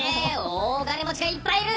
大金持ちがいっぱいいる。